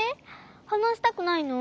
はなしたくないの？